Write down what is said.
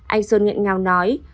anh sơn nghiện ngào nói